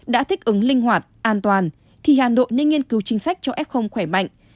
đã thích ứng linh hoạt an toàn thì hà nội nên nghiên cứu chính sách cho f khỏe mạnh